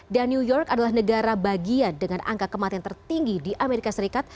dan new york adalah negara bagian dengan angka kematian tertinggi di amerika serikat